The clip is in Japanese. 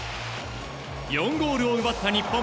４ゴールを奪った日本。